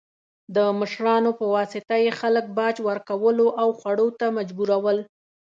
د مشرانو په واسطه یې خلک باج ورکولو او خوړو ته مجبورول.